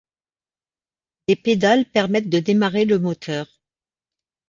Des pédales permettent de démarrer le moteur.